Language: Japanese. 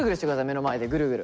目の前でぐるぐる。